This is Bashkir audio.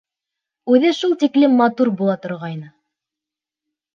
Үҙе шул тиклем матур була торғайны!